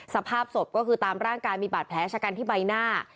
สภาพศพก็คือตามร่างกายมีบาดแผลชะกันที่ใบหน้า